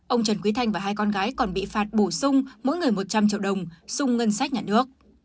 ông trần quý thanh và hai con gái còn bị phạt bổ sung mỗi người một trăm linh triệu đồng xung ngân sách nhà nước